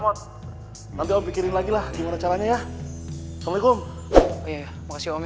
mod nanti pikirin lagi lah gimana caranya ya assalamualaikum ya makasih om ya